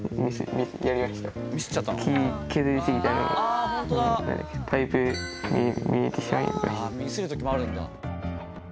あミスる時もあるんだ。